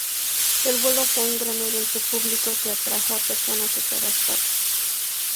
El vuelo fue un gran evento público, que atrajo a personas de todas partes.